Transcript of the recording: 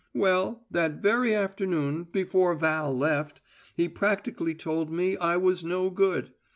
"Well, that very afternoon before Val left, he practically told me I was no good.